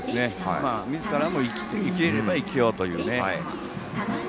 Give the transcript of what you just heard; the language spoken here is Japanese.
みずからも生きれれば生きようというね。